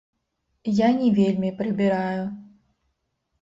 Я не вельмі прыбіраю.